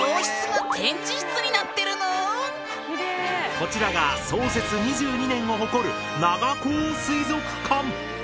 こちらが創設２２年を誇る長高水族館。